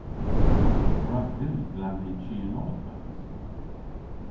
A wrav vy glanhe chi an olifans?